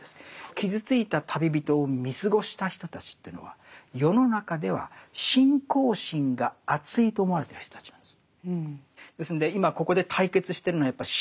傷ついた旅人を見過ごした人たちというのは世の中では信仰心があついと思われてる人たちなんです。